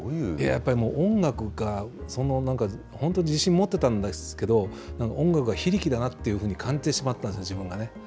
やっぱり音楽が、そのなんか、本当、自信持ってたんですけど、音楽が非力だなっていうふうに感じてしまったんです、自分がね。